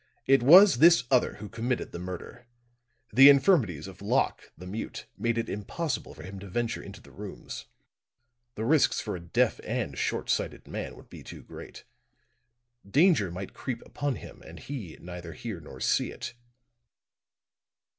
"It was this other who committed the murder. The infirmities of Locke, the mute, made it impossible for him to venture into the rooms. The risks for a deaf and short sighted man would be too great. Danger might creep upon him and he neither hear nor see it.